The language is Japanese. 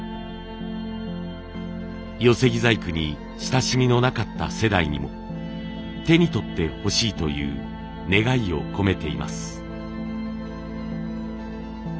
寄木細工に親しみのなかった世代にも手に取ってほしいという願いを込めています。